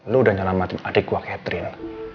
lo udah nyelamatin adik gue catherine